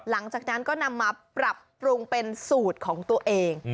หลังจากนั้นก็นำมาปรับปรุงเป็นสูตรของตัวเอง